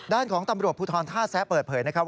ด้านของตำรวจภูทรท่าแซะเปิดเผยนะครับ